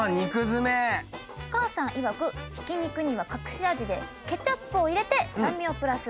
お母さんいわくひき肉には隠し味でケチャップを入れて酸味をプラス。